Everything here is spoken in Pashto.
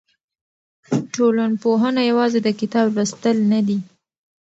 ټولنپوهنه یوازې د کتاب لوستل نه دي.